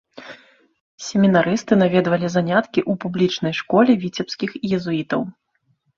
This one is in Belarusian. Семінарысты наведвалі заняткі ў публічнай школе віцебскіх езуітаў.